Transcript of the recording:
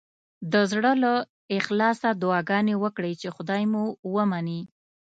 د زړه له اخلاصه دعاګانې وکړئ چې خدای مو ومني.